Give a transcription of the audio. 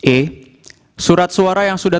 e surat suara yang sudah